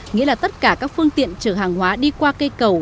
nghĩa là tất cả các phương tiện chở hàng hóa đi qua cây cầu